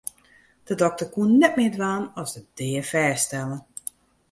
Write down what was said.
De dokter koe net mear dwaan as de dea fêststelle.